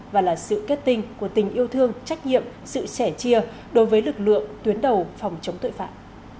và là sự kết tinh của tình yêu thương trách nhiệm sự sẻ chia đối với lực lượng tuyến đầu phòng chống tội phạm